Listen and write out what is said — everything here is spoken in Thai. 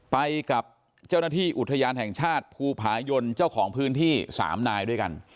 ไปกับเจ้าหน้าที่อุทยานแห่งชาติภูผายนเจ้าของพื้นที่๓นายด้วยกัน